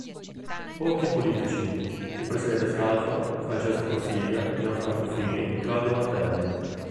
Pochi i politici: il presidente Scalfaro, Francesco Cossiga, Gianfranco Fini, Claudio Martelli.